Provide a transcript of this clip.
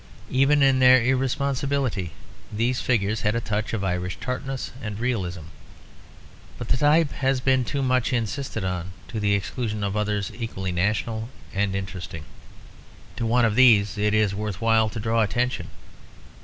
Even in their irresponsibility these figures had a touch of Irish tartness and realism; but the type has been too much insisted on to the exclusion of others equally national and interesting. To one of these it is worth while to draw attention.